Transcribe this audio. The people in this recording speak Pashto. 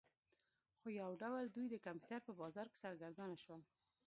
خو یو ډول دوی د کمپیوټر په بازار کې سرګردانه شول